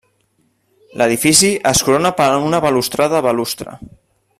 L'edifici es corona per una balustrada de balustre.